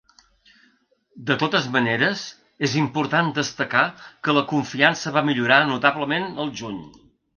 De totes maneres, és important destacar que la confiança va millorar notablement al juny.